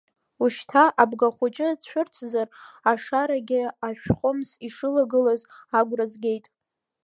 Ушьҭа абгахәыҷы цәырҵзар, ашарагьы ашәхымс ишылагылаз агәра згеит.